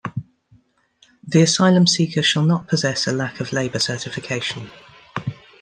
The asylum seeker shall not possess a lack of labor certification.